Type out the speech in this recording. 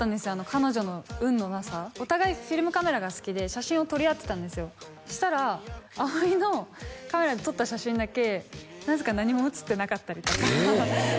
彼女の運のなさお互いフィルムカメラが好きで写真を撮り合ってたんですよそしたら葵のカメラで撮った写真だけなぜか何も写ってなかったりとかええ